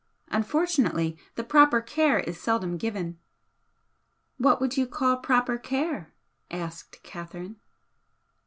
Unfortunately, the proper care is seldom given." "What would you call proper care?" asked Catherine.